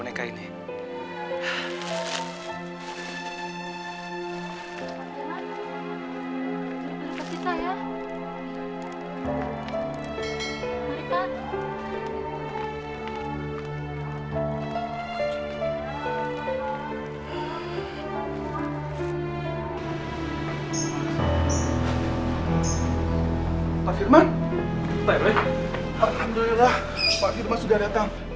alhamdulillah pak firman sudah datang